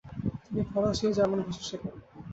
তিনি ফরাসি ও জার্মান ভাষা শেখেন।